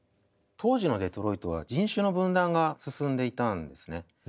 当時のデトロイトは人種の分断が進んでいたんですね。